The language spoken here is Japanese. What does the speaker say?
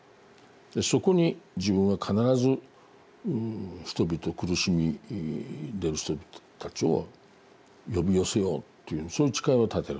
そこに自分は必ず人々苦しんでる人たちを呼び寄せようというそういう誓いを立てる。